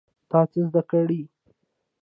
ته څه زده کړې؟